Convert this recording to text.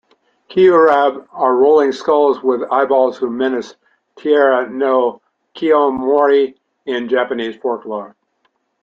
"Mekurabe" are rolling skulls with eyeballs who menace Taira no Kiyomori in Japanese folklore.